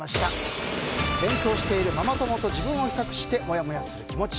勉強しているママ友と自分を比較してモヤモヤする気持ち。